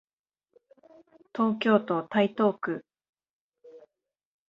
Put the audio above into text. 東京都台東区